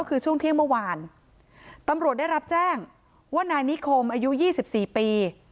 ก็คือช่วงเที่ยงเมื่อวานตำรวจได้รับแจ้งว่านายนิคมอายุยี่สิบสี่ปี